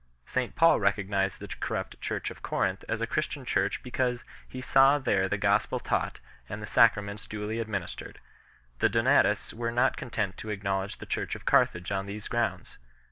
St Paul recognized the corrupt Church of Corinth as a Christian Church because he saw there the Gospel taught and the sacraments duly administered ; the Dona tists were not content to acknowledge the Church of Carthage on these grounds.